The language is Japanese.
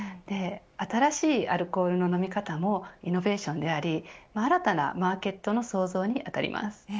新しいアルコールの飲み方もイノベーションであり新たなマーケットの創造に当たります。